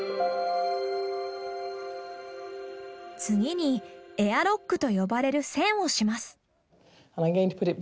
次にエアロックと呼ばれる栓をします。